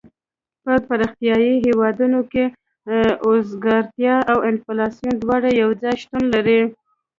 په پرمختیایي هېوادونو کې اوزګارتیا او انفلاسیون دواړه یو ځای شتون لري.